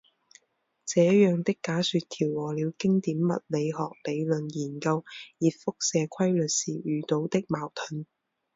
这样的假说调和了经典物理学理论研究热辐射规律时遇到的矛盾。